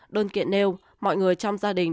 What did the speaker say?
đơn kiện nêu mọi người trong gia đình đều